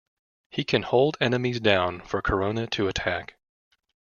He can hold enemies down for Corona to attack.